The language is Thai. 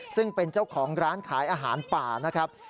ซึ่งเป็นเจ้าของร้านขายอาหารป่านะครับ